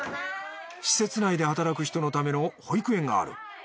施設内で働く人のための保育園がある。